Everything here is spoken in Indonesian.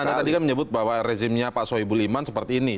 karena anda tadi kan menyebut bahwa rezimnya pak soebul iman seperti ini